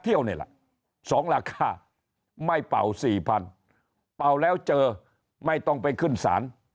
เที่ยวนี่แหละ๒ราคาไม่เป่า๔๐๐๐เป่าแล้วเจอไม่ต้องไปขึ้นศาล